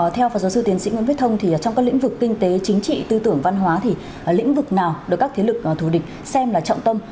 theo phật giáo sư tiến sĩ nguyễn viết thông thì trong các lĩnh vực kinh tế chính trị tư tưởng văn hóa thì lĩnh vực nào được các thế lực thù địch xem là trọng tâm